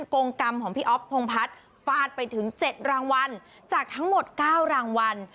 กรงกรรมของพี่อ๊อฟพงพัฒน์ฟาดไปถึง๗รางวัลจากทั้งหมด๙รางวัล